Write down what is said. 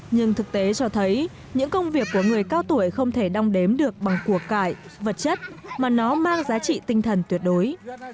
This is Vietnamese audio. nhưng thực tế cho thấy những công việc của người cao tuổi không thể đong đếm được bằng cuộc cải vật chất mà nó mang giá trị tinh thần tuyệt đối